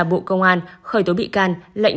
bộ công an khởi tố bị can lệnh